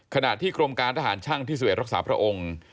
ขณะที่กรมการทหารช่างที่๑๑รักษาพระองค์